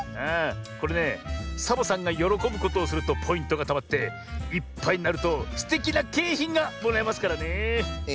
これねサボさんがよろこぶことをするとポイントがたまっていっぱいになるとすてきなけいひんがもらえますからねえ。